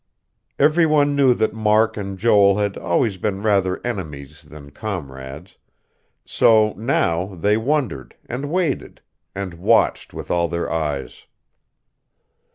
Every one knew that Mark and Joel had always been rather enemies than comrades; so, now, they wondered, and waited, and watched with all their eyes.